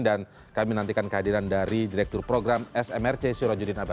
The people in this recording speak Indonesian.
dan kami menantikan kehadiran dari direktur program smrc syurajudin abbas